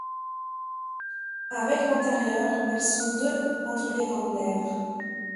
Avec l'antérieure, elles sont deux entre les grandes lèvres.